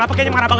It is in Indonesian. siapa ya pak